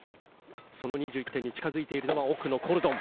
その２１点に近付いているのが奥のコルドン。